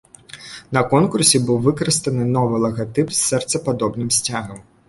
На конкурсе быў выкарыстаны новы лагатып з сэрцападобнай сцягам.